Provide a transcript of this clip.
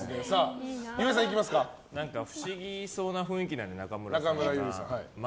不思議そうな雰囲気なので中村ゆりさんは。